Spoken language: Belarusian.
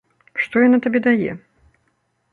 Што яна табе дае?